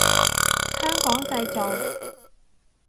香港製造